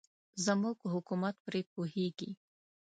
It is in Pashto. زموږ حکومت پرې پوهېږي.